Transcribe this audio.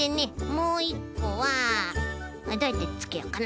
もういっこはどうやってつけようかな。